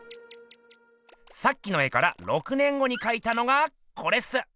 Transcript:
さっきの絵から６年後にかいたのがこれっす！